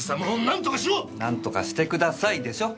「何とかしてください」でしょ？